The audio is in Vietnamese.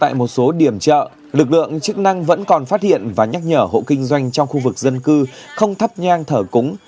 tại một số điểm chợ lực lượng chức năng vẫn còn phát hiện và nhắc nhở hộ kinh doanh trong khu vực dân cư không thắp nhang thờ cúng